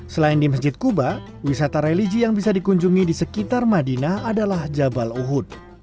selain di masjid kuba wisata religi yang bisa dikunjungi di sekitar madinah adalah jabal uhud